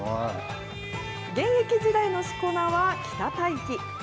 現役時代のしこ名は北太樹。